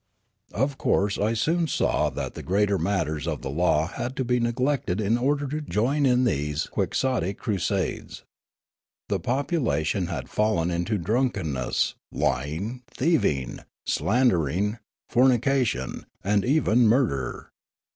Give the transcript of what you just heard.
Of course I soon saw that the greater matters of the law had to be neglected in order to join in these quixotic crusades. The population had fallen into drunkenness, lying, thieving, slandering, fornication, and even mur der.